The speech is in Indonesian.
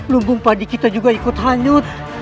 lumbung padi kita juga ikut hanyut